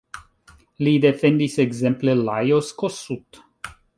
Li defendis ekzemple Lajos Kossuth.